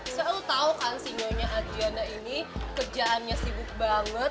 soalnya lo tau kan si nyonya adjiana ini kerjaannya sibuk banget